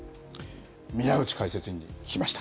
宮内解説委員に聞きました。